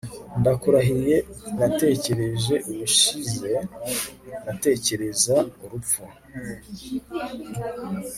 ndakurahiye natekereje ubushize natekereza urupfu